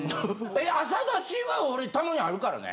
朝立ちは俺たまにあるからね。